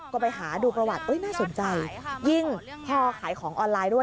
ก็ไปหาดูประวัติน่าสนใจยิ่งพอขายของออนไลน์ด้วย